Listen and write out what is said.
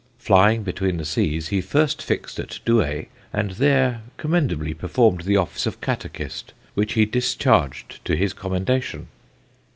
Flying beyond the Seas, he first fixed at Douay, and there commendably performed the office of Catechist, which he discharged to his commendation.